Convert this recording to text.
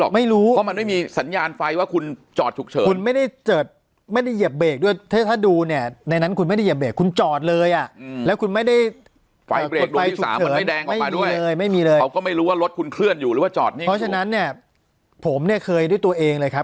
เพราะฉะนั้นเนี่ยผมเนี่ยเคยด้วยตัวเองเลยครับ